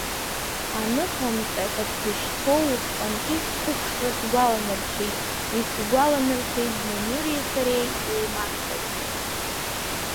Аныхамҵа ҳәа сзышьҭоу, усҟантәи сқәыԥшра сгәаланаршәеит, исгәаланаршәеит, зны Нури сареи еимаҳкыз.